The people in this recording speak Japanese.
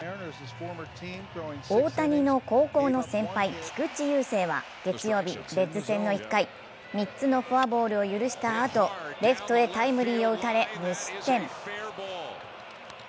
大谷の高校の先輩・菊池雄星は月曜日、レッズ戦の１回、３つのフォアボールを許したあと、レフトへタイムリーを打たれ２失点。